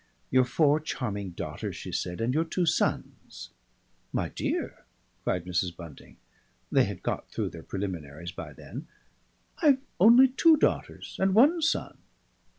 "Your four charming daughters," she said, "and your two sons." "My dear!" cried Mrs. Bunting they had got through their preliminaries by then "I've only two daughters and one son!"